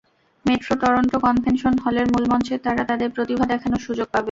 Metro Toronto convention হলের মূলমঞ্চে তারা তাদের প্রতিভা দেখানোর সুযোগ পাবে।